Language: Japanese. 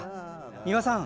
美輪さん！